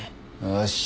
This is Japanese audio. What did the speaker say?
よし。